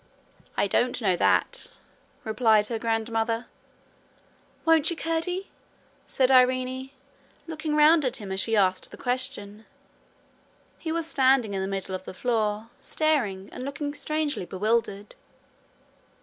'I don't know that,' replied her grandmother. 'Won't you, Curdie?' said Irene, looking round at him as she asked the question. He was standing in the middle of the floor, staring, and looking strangely bewildered.